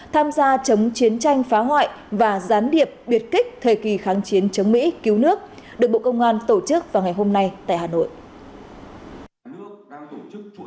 tham gia chống chiến tranh phá hoại và gián điệp biệt kích thời kỳ kháng chiến chống mỹ cứu nước được bộ công an tổ chức vào ngày hôm nay tại hà nội